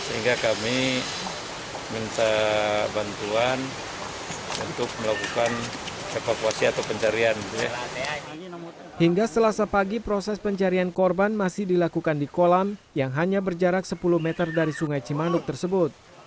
sehingga kami proses pencarian korban masih dilakukan di kolam yang hanya berjarak sepuluh meter dari sungai cimanuk tersebut